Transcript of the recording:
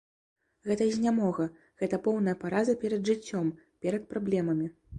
Гэта знямога, гэта поўная параза перад жыццём, перад праблемамі.